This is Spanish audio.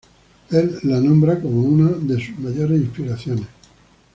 Él la nombra como una de sus mayores inspiraciones.